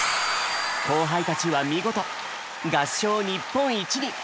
後輩たちは見事合唱日本一に！